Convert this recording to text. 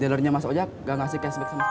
jalurnya mas ojak gak ngasih cashback sama pak